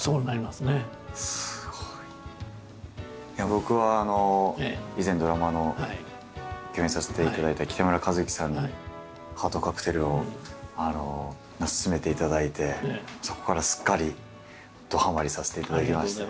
僕は以前ドラマの共演させていただいた北村一輝さんに「ハートカクテル」を薦めていただいてそこからすっかりどはまりさせていただきました。